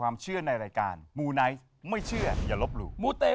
มูไนท์